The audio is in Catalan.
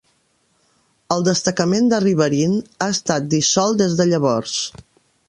El Destacament de Riverine ha estat dissolt des de llavors.